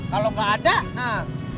kalau nggak ada nah